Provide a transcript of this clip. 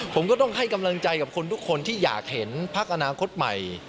ผมก็ต้องให้กำลังใจกับคนทุกคนที่อยากเห็นพักอนาคตใหม่